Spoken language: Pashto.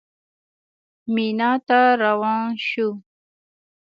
مینا ته روان شوو.